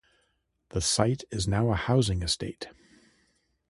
The site is now a housing estate.